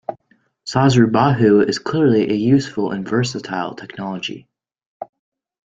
Sosrobahu is clearly a useful and versatile technology.